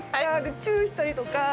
チューしたりとか。